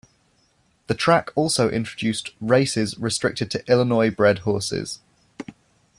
The track also introduced races restricted to Illinois-bred horses.